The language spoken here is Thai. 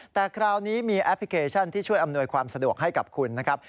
แต่คราวนี้มีแอปพลิเคชันที่ช่วยอำนวยความสะดวกให้กับคุณนะครับ